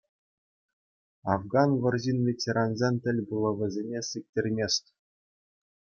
Афган вӑрҫин ветеранӗсен тӗл пулӑвӗсене сиктермест.